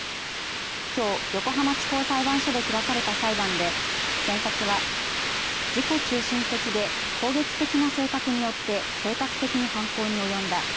きょう、横浜地方裁判所で開かれた裁判で検察は自己中心的で攻撃的な性格によって計画的に犯行に及んだ。